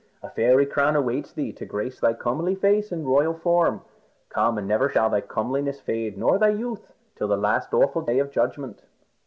A fairy crown awaits thee to grace thy comely face and royal form. Come, and never shall thy comeliness fade, nor thy youth, till the last awful day of judgment."